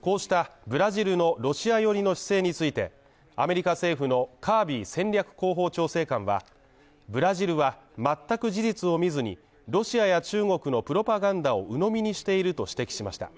こうしたブラジルのロシア寄りの姿勢についてアメリカ政府のカービー戦略広報調整官は、ブラジルは全く事実を見ずに、ロシアや中国のプロパガンダを鵜呑みにしていると指摘しました。